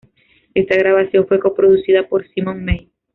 Esta grabación fue coproducida por Simon May.